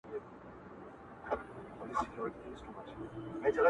ائینه زړونه درواغ وایي چي نه مرو’